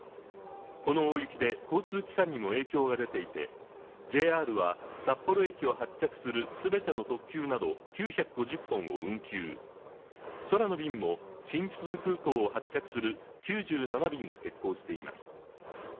この大雪で交通機関にも影響が出ていて、ＪＲは札幌駅を発着するすべての特急など、９５０本を運休、空の便も新千歳空港を発着する９７便が欠航しています。